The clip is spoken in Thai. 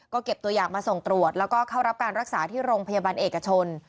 ก็เก็บตัวอย่างมาส่งตรวจแล้วก็เข้ารับการรักษาที่โรงพยาบาลเอกชน